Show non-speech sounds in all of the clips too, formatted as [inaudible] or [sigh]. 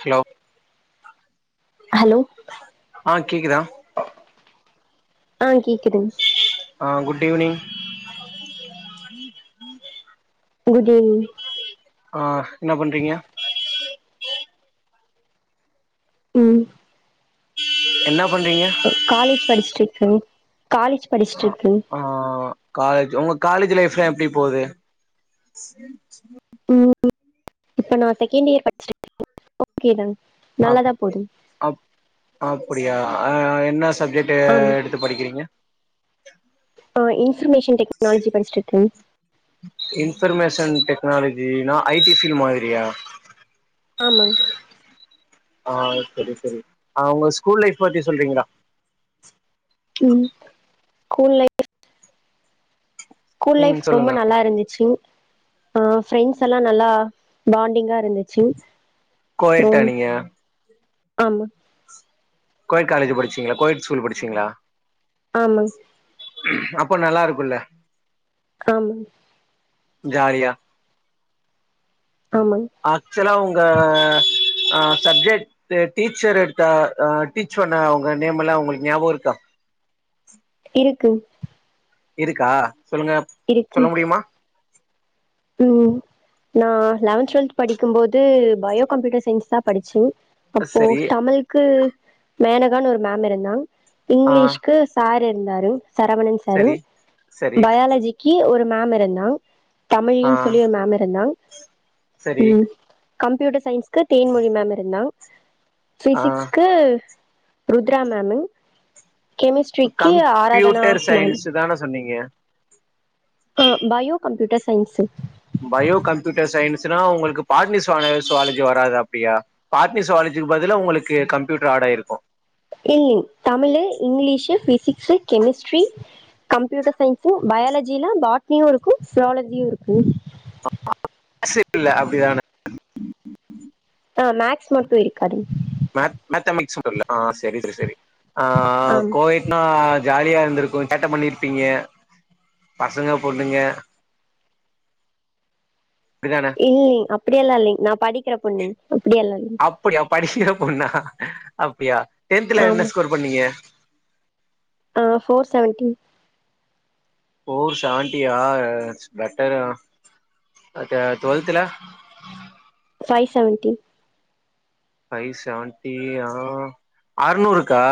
hello hello ஆ கேக்கிதா ஆ கேக்கிதுங் ஆ குட் ஈவ்னிங் குட் ஈவ்னிங் ஆ என்ன பண்றீங்க ம் என்ன பண்றீங்க காலேஜ் படிச்ட்டுருக்கு காலேஜ் படிச்ட்டுருக்கு ஆ காலேஜ் உங்க காலேஜ் லைஃப்லா எப்டி போகுது ம் இப்ப நா செகண்ட் இயர் படிச்சுட்ருக்கே ஓகேதா அப் நல்லாதா போது அப் அப்டியா ஆ என்ன சப்ஜெட்டு ஆம் எடுத்து படிக்கிறீங்க ஆ இன்ஃபர்மேஷன் டெக்னாலஜி படிச்ட்டுருக்க இன்ஃபர்மேஷன் டெக்னாலஜினா ஐ டி ஃபீல் மாதிரியா ஆமாங் ஆ செரி செரி ஆ உங்க ஸ்கூல் லைஃப் பத்தி சொல்றீங்களா ம் ஸ்கூல் ஃலை ஸ்கூல் லைஃப் ம் ரொம்ப சொல்லுங்க நல்லா இருந்துச்சு ஆ ஃப்ரெண்ட்ஸ் எல்லா நல்லா பாண்டிங்கா இருந்துச்சு கோயட்ட நீங்க ஆமா கோயட் காலேஜ்ல படிச்சீங்ளா கோயட் ஸ்கூல் படிச்சீங்ளா ஆமாங் அப்ப நல்லாருக்குல்ல ஆமாங் ஜாரியா ஆமாங் ஆக்சுவலா உங்க அ சப்ஜெக்ட் டீச்சர் எடுத்த டீச் பண்ண அவங்க நேம் எல்லா உங்களுக்கு ஞாபக இருக்கா இருக்கு இருக்கா சொல்லுங்க இருக்கு சொல்ல முடியுமா ம் நா லவன்த் டுவெல்த் படிக்கு போது பயோ கம்ப்யூட்டர் சயின்ஸ்தா படிச்சு அப்போ சரி தமிழ்க்கு மேனகா ஒரு மேம் இருந்தா ஆ இங்க்லீஷ்கு சாரு இருந்தாரு சரவணன் சாரு சரி சரி பயாலஜிக்கி ஒரு மேம் இருந்தா தமிழி ஆ சொல்லி ஒரு மேம் இருந்தா சரி ம் கம்ப்யூட்டர் சயின்ஸ்க்கு தேன்மொழி மேம் இருந்தா ஆ ஃபிசிக்ஸ்க்கு ருத்ரா மேமு கெமிஸ்ட்ரிக்கு ஆராதனா மேம் இதான சொன்னீங்க ஆ bio computer science bio computer சயின்ஸ்னா உங்களுக்கு பாட்னிஸ்வான சுவாலஜி வராது அப்டியா பாட்னி சுவாலஜுக்கு பதிலா உங்களுக்கு கம்ப்யூட்டர் ஆட் ஆயிருக்கு ம் Tamil English physics chemistry computer சயின்ஸும் பயாலஜில பாட்னியு இருக்கு ஸ்வாலஜியு இருக்கு அஸ்ஸு இல்ல அப்டிதான ஆ மேக்ஸ் மட்டு இரு கரி மேத்த மேத்தமிக்ஸு வரல்ல ஆ் சரி சரி ஆ ஆமா கோயட் ன்னா ஜாலியா இருந்திருக்கு சேட்ட பண்ணிருப்பீங்க பசங்க பொண்ணுங்க இதான இல்லலைங்க அப்படியெல்லா இல்லைங்க நான் படிக்கிற பொண்ணுங் அப்படியல்லா இல்ல அப்டியா படிக்கிற பொண்ணா அப்டியா டென்த்ல என்ன ஆமா ஸ்கோர் பண்ணீங்க ஆ் ஃபோர் செவன்டி ஃபோர் செவன்டியா பெட்டருதா டுவெல்த்ல ஃபை செவன்ட்டி ஃபை செவன்ட்டி ஆ அறுநூறுக்கா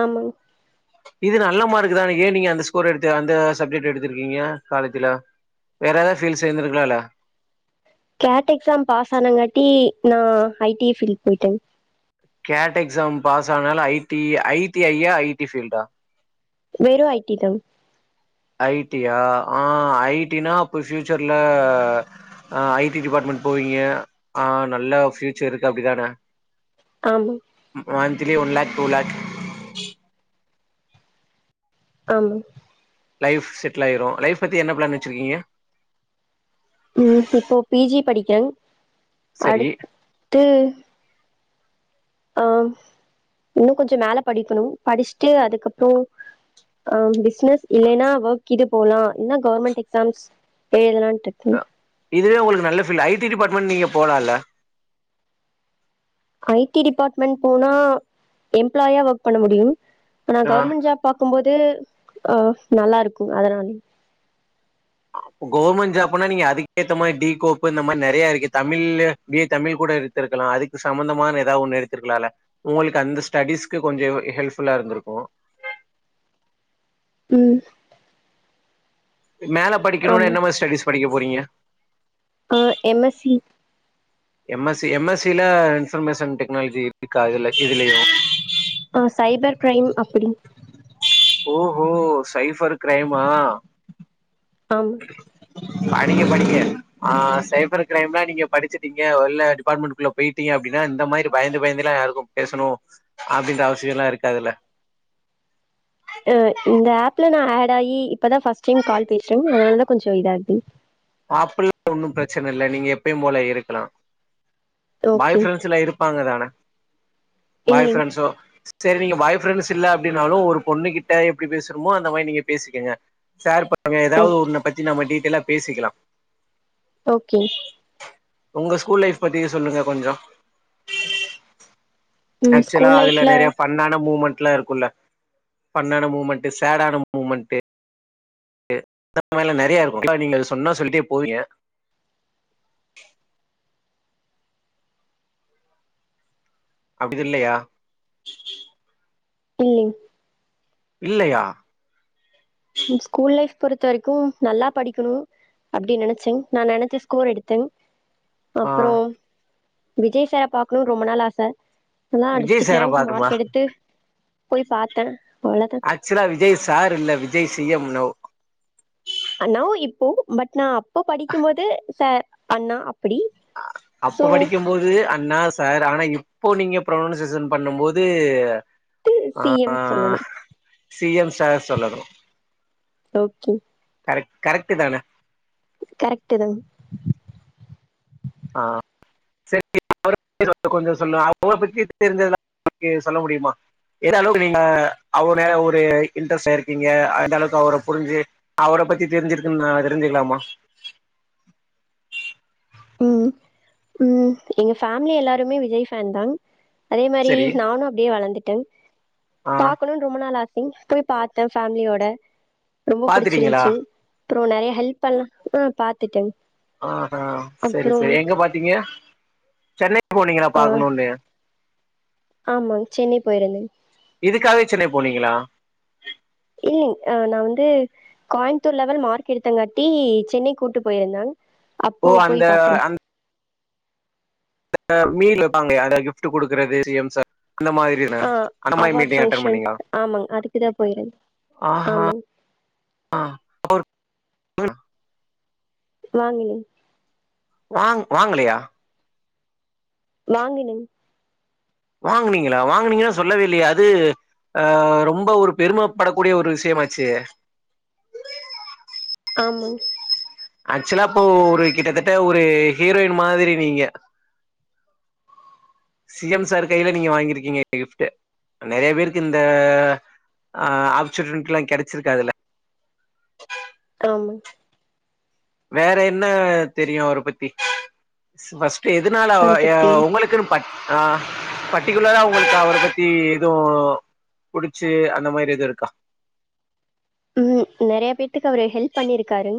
ஆமாங் இது நல்ல மார்க் தான ஏன் நீங்க அந்த ஸ்கோர் எடுத்து அந்த சப்ஜெக்ட் எடுத்திருக்கீங்க காலேஜ்ல வேற எதாவது ஃபீல்ட் சேந்துருக்கலால கிளாட் எக்ஸாம் பாஸ் ஆனங்காட்டி நா ஐடி ஃபீல் போய்ட்ட கேட் எக்ஸாம் பாஸ் ஆனால ஐடி ஐடி ஐ யா ஐடி ஃபீல்டா வெறு ஐடி தா ஐடியா ஆ ஐடினா அப்ப ஃபியூச்சர்ல அ ஐ டி டிபார்ட்மெண்ட் போவீங்க ஆ நல்ல ஃபியூச்சர் இருக்கு அப்டிதான ஆமாங் ம் monthly one lakh two lakh ஆமாங் லைஃப் செட்டில் ஆயிரு லைஃப் பத்தி என்ன ப்ளான் வெச்சிருக்கீங்க ம் இப்போ பி ஜி படிக்கறங் அடு சரி ட்டு ஆ இன்னு கொஞ்சோ மேல படிக்கணு படிச்சிட்டு அதுக்கப்றோ ஆ பிசினஸ் இல்லைனா ஒர்க் இது போலா இல்லனா கவுர்மெண்ட் எக்ஸாம்ஸ் எழுதலான்ட்டு இருக்கேங் அ இதுவே உங்களுக்கு நல்ல ஃபீல்டு ஐ டி டிபார்ட்மெண்ட் நீங்க போலால்ல ஐ டி டிபார்ட்மெண்ட் போனா எம்ப்ளாயா ஒர்க் பண்ண முடியு ஆனா ஆ கவர்மெண்ட் ஜாப் பாக்கும்போது அ நல்லா இருக்கு அதனாலயே கவர்மெண்ட் ஜாப்னா நீங்க அதுக்கேத்த மாரி டி கோப் இந்த மாரி நெறயா இருக்கு தமிழ் பி ஏ தமிழ் கூட எடுத்ருக்கலா அதுக்கு சம்மந்தமான எதா ஒண்ணு எடுத்துருக்கலால உங்களுக்கு அந்த ஸ்டடிஸ்க்கு கொஞ்சோ ஹெல்ப்ஃபுல்லா இருந்திருக்கு ம் மேல படிக்கணுனா ஆமா என்ன மாரி ஸ்டடிஸ் படிக்க போறீங்க ஆ M S E M S C M S சில இன்ஃபர்மேஷன் டெக்னாலஜி எடுத்திக்காலல்ல இதுலயு ஆ சைபர் கிரைம் அப்டி ஓஹோ சைஃபர் கிரைமா ஆம் உஹ படிக்க படிக்க ஆ சைபர் கிரைம்ல்லா நீங்க படிச்சட்டீங்க இல்ல டிபார்ட்மெண்ட்குள்ள வெயிட்டிங் அப்டினா இந்த மாரி பயந்து பயந்தெல்லா யாருக்கு பேசணு அப்டின்ற அவசியோல்லா இருக்காதில்ல உ இந்த ஆப்ல நா ஆட் ஆயி இப்பதா ஃபர்ஸ்ட் டைம் கால் பேசுறங் அதனாலதா கொஞ்சோ இதாகுதுங் ஆப்ல்ல ஒன்னு பிரச்சன இல்ல நீங்க எப்பயும்போல இருக்கலா பாய் ஓகே ஃப்ரெண்ட்ஸ்ல்லா ப்பாங்கதான பாய் இல்லிங் ஃப்ரெண்ட்ஸு செரி நீங்க பாய் ஃப்ரெண்ட்ஸ் இல்ல அப்டினாலு ஒரு பொண்ணு கிட்ட எப்டி பேசனுமோ அந்த மாரி நீங்க பேசிக்கங்க சார் பாங்க எதாவது ஓகே ஒன்னு பத்தி நம்ம டீட்டெய்லா பேசிக்கலா ஓகே உங்க ஸ்கூல் லைஃப் பத்தி சொல்லுங்க கொஞ்ஜோ ம் ஆக்சுலா ஸ்கூல் அதுல லைஃப்ல நெறயா ஃபண்ணான மூமெண்ட்லா இருக்குல்ல பண்ணான மூமெண்ட் சேடான மூமெண்ட்டு கு [inaudible] மேல நெறயா இருக்குல்ல நீங்க சொன்னா சொல்ட்டே போவீங்க அப்டிது இல்லயா ம் இல்லயா ம் ஸ்கூல் லைஃப் பொறுத்த வரைக்கு நல்லா படிக்கணு அப்டி நெனச்சங் நான் நெனச்ச ஸ்கோர் எடுத்தங் ஆ அப்றோ விஜய் சார பாக்கணுனு ரொம்ப நாள் ஆச அதா விஜய் டிஸ்டிக் சார ரேங்க் பாக்கணுமா மார்க் எடுத்து போய் பாத்த அவ்ளதா ஆக்சுலா விஜய் சார் இல்ல விஜய் சி எம் நவ் அ நவ் இப்போ பட் நா அப்போ படிக்கும்போது சார், அண்ணா அப்டி அ அப்ப படிக்கும் போது அண்ணா, சார் ஆனா இப்போ நீங்க ப்ரொனௌன்ஸேஷன் பண்ணும்போது பி எம் சொல்லணு சி எம் சார் சொல்லணு ஓகே கரக்ட் கரெட் தான கரெக்டு தா ஆ சரி [inaudible] கொஞ்ச சொல்ல அவர பத்தி தெரிஞ்சதுலா [inaudible] சொல்ல முடியுமா எது அளவுக்கு நீங்க அவனே ஒரு இன்ட்ரெஸ்ட் ஆ இருக்கீங்க எந்த அளவுக்கு அவர புரிஞ்சி அவர பத்தி தெரிஞ்சிருக்குன்னு நா தெரிஞ்சுக்கலாமா ம் ம் எங்க ஃபேமிலி எல்லாருமே விஜய் ஃபேன் தா அதே மாரி சரி நானு அப்டே வளந்துட்ட ஆ பாக்கணுன் ரொம்ப நாள் ஆசை போய் பாத்த ஃபேமிலியோட ரொம்ப பாத்துட்டீங்களா புடிச்சிருன்ச்சி அப்றோ நெறைய ஹெல்ப் பண்ண ஆ பாத்துட்டேங் ஆஹா சரி சரி எங்க பாத்தீங்க சென்னை போனீங்களா ஆஹ் பாக்கணுன்னு ஆமா சென்னை போயிருந்தேங் இதுக்காகவே சென்னை போனீங்களா இல்லலைங் ஆ நா வந்து கோயம்புத்தூர் லெவல் மார்க் எடுத்தங்காட்டி சென்னை கூட்டு போயிருந்தாங் ஓ அப்போ அந்த போய் பாத்தங் அந்த மீல் வப்பாங்களே அட கிஃப்ட் குடுக்குறது சி எம் சார் [inaudible] அந்த மாதிரி ஆ அவார்ட் பங்க்ஷன் ஆமாங் அதுக்குதா போயிருந்த ஆமாங் ஆ வாங்குனேங் வாங் வாங்கலியா வாங்கனேங் வாங்கனீங்களா வாங்கனீங்கன்னா சொல்லவேல்லியே அது ஆஹ் ரொம்ப ஒரு பெருமப்படக்கூடிய ஒரு விஷயமாச்சே ஆமங் ஆக்சுவலா இப்போ ஒரு கிட்டத்தட்ட ஒரு ஹீரோயின் மாதிரி நீங்க சி எம் சார் கையில நீங்க வாங்கிருக்கீங்க கிஃப்ட் நெறைய பேருக்கு இந்த ஆ ஆப்ச்சுரிக்லா கெடச்சிருக்காதுல காமங் வேற என்ன தெரியு அவர பத்தி பஸ்ட்டு எதுனால ஓ அவர ய பத்தி ஓ உங்களுக்குன்னு ஆ பட்டிகுலரா உங்களுக்கு அவர பத்தி எதூ புடிச்சி அந்த மாரி எது இருக்கா ம் நெறைய பேத்துக்கு அவரு ஹெல்ப் பண்ணியிருக்காரு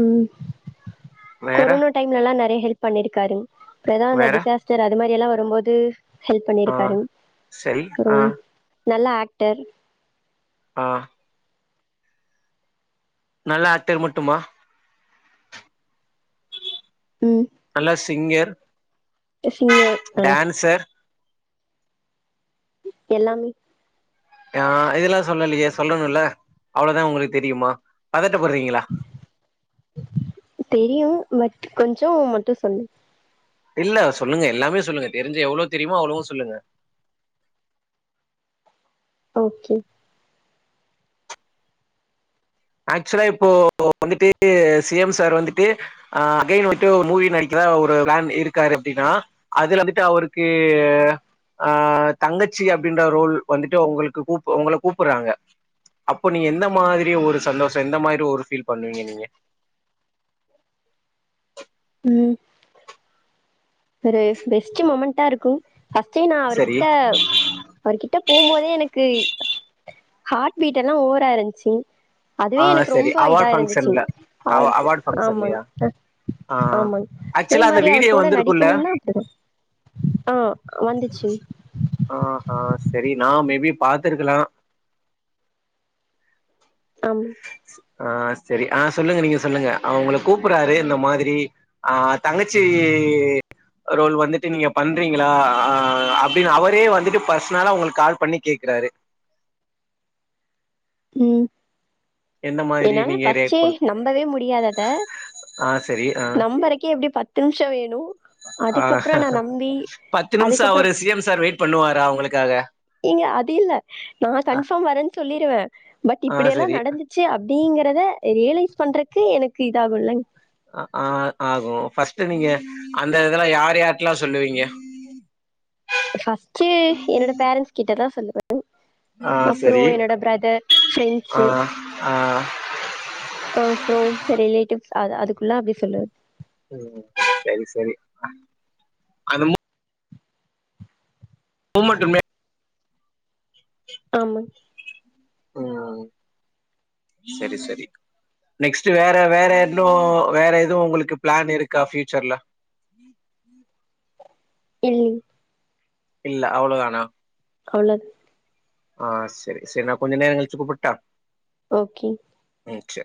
ம் வேற கொரோனா டைம்லலா நெறைய ஹெல்ப் பண்ணிருக்காரு பேதா அந்த வேற டிசாஸ்டர் அது மாறி எல்லா வரும்போது ஹெல்ப் ஆ பண்ணிருக்காரு சரி அப்றோ ஆ நல்ல ஆக்டர் ஆ நல்ல ஆக்டர் மட்டுமா ம் நல்லா சிங்கர் ஷிங்கர் அ டான்சர் எல்லாமே ஆ இதெல்லா சொல்லலியே சொல்லணுல அவ்ளதா உங்களுக்கு தெரியுமா பதட்டப்படுறீங்களா தெரியு பட் கொஞ்சோ மட்டு சொல்லு இல்ல சொல்லங்க எல்லாமே சொல்லுங்க தெரிஞ்சு எவ்ளோ தெரியுமோ அவ்ளோவு சொல்லுங்க ஓகே ஆக்சுலா இப்போ வந்துட்டு சி எம் சார் வந்துட்டு ஆ அகைன் வந்துட்டு ஒரு மூவி நடிக்குறதா ஒரு ப்ளான் இருக்காரு அப்டின்னா அது வந்துட்டு அவருக்கு அ தங்கச்சி அப்டின்ற ரோல் வந்துட்டு உங்களுக்கு கூப் உங்கள கூப்புறாங்க அப்போ நீங்க எந்த மாதிரி ஒரு சந்தோஷோ எந்த மாரி ஒரு ஃபீல் பண்ணுவீங்க நீங்க ம் ஒரு பெஸ்ட் மொமென்டா இருக்கு ஃபஸ்டே நா சரி அவர்கிட்ட அவர்கிட்ட போம்போதே எனக்கு ஹார்ட் பீட் எல்லா ஓவரா இருந்ச்சி ஆ அதுவே எனக்கு சரி ரொம்ப இதா அவார்ட் இருந்துச்சி ஃபங்க்ஷன்ல அவ அவருக்கு அவார்ட் ஃபங்க்ஷன்லயா ஆமாங்க அ ஆ ஆமங் இதே ஆக்சுவலா அந்த மாரி அவர் வீடியோ கூட நடிக் வந்திருக்குல்ல கனுனா இப்டிதா ஆ வந்திச்சி ஆஹா சரி நா மேபி பாத்துருக்கலா ஆமா ஆ செரி ஆ சொல்லுங்க நீங்க சொல்லுங்க அ உங்கள கூப்புறாரு இந்த மாதிரி ஆ தங்கச்சி ரோல் வந்துட்டு நீங்க பண்றீங்ளா ஆ ஆ அப்டின்னு அவரே வந்துட்டு பர்சனலா உங்களுக்கு கால் பண்ணி கேக்குறாரு ம் எந்த மாதிரி என்னால நீங்க ரியாக்ட் ஃபஸ்டே பண் நம்பவே முடியாது அத ஆ செரி ஆ நம்பரக்கே எப்டி பத்து நிமிஷ வேணு பத்து நிமிஷோ அதுக்கப்புறம் ஒரு சி எம் சார் வெயிட் பண்ணுவாரா உங்களுக்காக ஏங்க அது இல்ல நா கன்ஃபார்ம் வரேன் சொல்லிருவே பட் ஆ இப்டியெல்லா சரி நடந்து ச்சு அப்டிங்கறத ரியலைஸ் பண்றக்கு எனக்கு இதாகுல்லங் அ ஆ ஆகு பஃஸ்ட்டு நீங்க அந்த இதெல்லா யார் யார்டல்லா சொல்லுவீங்க ஃபஸ்ட்டு என்னோட பேரன்ட்ஸ் கிட்டதா சொல்லுவே ஆ அப்புறோ சரி என்னோட பிரதர் ஆ ஃப்ரெண்ட்ஸு ஆ அப்றோ ரிலேட்டிவ்ஸ் அது அதுக்குள்ள அப்டி சொல்லுவே ம் சரி சரி அந்த மு முமன்டுமே ஆமா ஆ சரி சரி நெக்ஸ்ட் வேற வேற இன்னு வேற எதுவு உங்களுக்கு ப்ளான் இருக்கா ஃபியூச்சர்ல இல்ல இல்ல அவ்ளோதானா அவ்ளோதா ஆ செரி செரி நா கொஞ்ச நேரோ கழிச்சி கூப்புட்டா ஓகே ம் சே